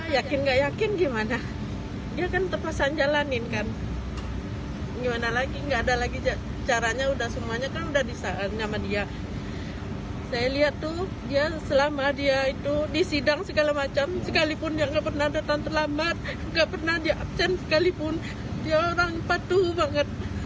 saya lihat tuh dia selama dia itu disidang segala macam sekalipun dia gak pernah datang terlambat gak pernah diaksen sekalipun dia orang patuh banget